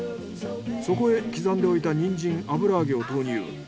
そこへ刻んでおいたニンジン油揚げを投入。